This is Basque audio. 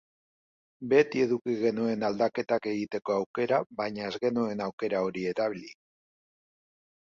Beti eduki genuen aldaketak egiteko aukera baina ez genuen aukera hori erabili.